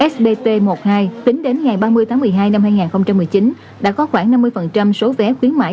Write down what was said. spt một mươi hai tính đến ngày ba mươi tháng một mươi hai năm hai nghìn một mươi chín đã có khoảng năm mươi số vé khuyến mại